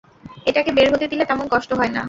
এটাকে বের হতে দিলে তেমন কষ্ট হয় না।